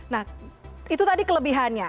nah itu tadi kelebihannya